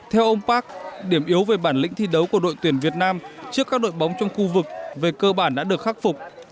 theo ông park điểm yếu về bản lĩnh thi đấu của đội tuyển việt nam trước các đội bóng trong khu vực về cơ bản đã được khắc phục